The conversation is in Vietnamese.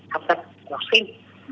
học tập học sinh